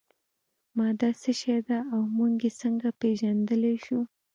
ماده څه شی ده او موږ یې څنګه پیژندلی شو